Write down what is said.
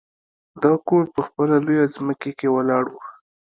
دا کور په خپله لویه ځمکه کې ولاړ و